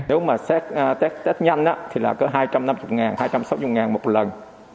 nếu mà xét tết nhanh thì là có hai trăm năm mươi hai trăm sáu mươi một lần